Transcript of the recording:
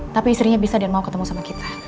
tapi istrinya bisa dan mau ketemu sama kita